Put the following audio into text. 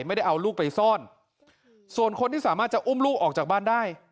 ไม่ได้เอาลูกไปซ่อนส่วนคนที่สามารถจะอุ้มลูกออกจากบ้านได้